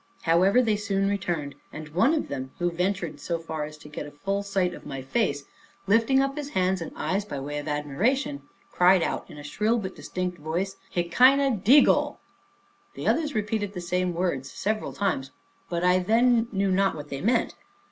However, they soon returned, and one of them, who ventured so far as to get a full sight of my face, lifting up his hands and eyes by way of admiration, cried out in a shrill but distinct voice, Hekinah degul; the others repeated the same words several times, but I then knew not what they meant.